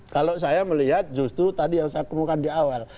kalau saya melihat justru tadi yang saya kemukan di awal